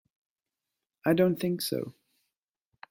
I don't think so.